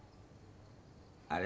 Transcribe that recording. あれ？